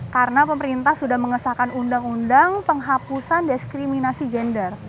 karena pemerintah sudah mengesahkan undang undang penghapusan diskriminasi gender